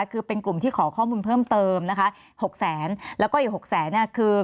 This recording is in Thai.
คือเป็นกลุ่มที่ขอข้อมูลเพิ่มเติมนะคะ๖๐๐๐๐๐๐แล้วก็อีก๖๐๐๐๐๐๐คือ